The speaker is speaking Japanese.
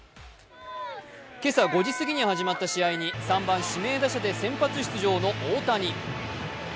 今朝５時過ぎに始まった試合に３番・指名打者で先発出場の大谷。